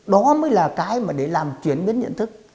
đó mới là cái mà để làm chuyển biến nhận thức